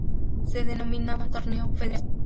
Se denominaba Torneo Federación.